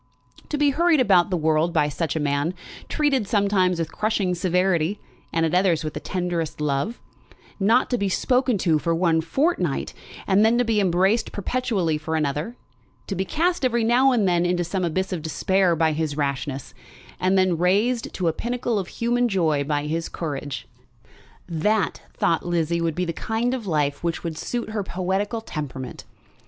To be hurried about the world by such a man, treated sometimes with crushing severity, and at others with the tenderest love, not to be spoken to for one fortnight, and then to be embraced perpetually for another, to be cast every now and then into some abyss of despair by his rashness, and then raised to a pinnacle of human joy by his courage, that, thought Lizzie, would be the kind of life which would suit her poetical temperament.